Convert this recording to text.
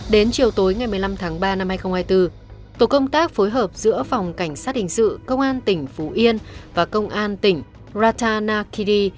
đến chiều tối ngày một mươi năm tháng ba năm hai nghìn hai mươi bốn tổ công tác phối hợp giữa phòng cảnh sát hình sự công an tỉnh phú yên và công an tỉnh ratanakidi